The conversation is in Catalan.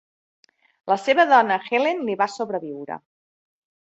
La seva dona Helen li va sobreviure.